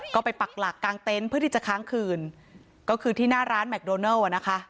ก็ไปปักหลักกลางเต็นต์เพื่อที่จะค้างคืนก็คือที่หน้าร้านแมคโดนัลอ่ะนะคะ